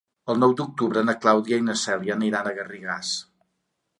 El nou d'octubre na Clàudia i na Cèlia aniran a Garrigàs.